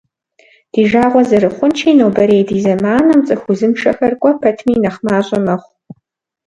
Ди жагъуэ зэрыхъунщи, нобэрей ди зэманым цӏыху узыншэхэр кӏуэ пэтми нэхъ мащӏэ мэхъу.